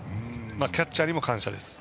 キャッチャーにも感謝です。